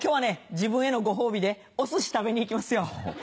自分へのご褒美でお寿司食べに行きますよ。